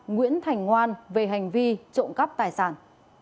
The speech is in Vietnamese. nguyễn thành ngoan về hành vi trộm cắp tài sản